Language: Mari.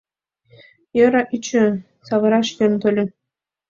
Йӧра, ӱчӧ савыраш йӧн тольо.